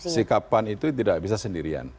sikapan itu tidak bisa sendirian